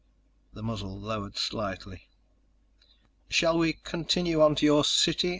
The muzzle lowered slightly. "Shall we continue on to your city?"